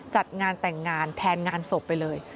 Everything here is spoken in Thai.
จัดงานแต่งงานแทนงานศพไปเลย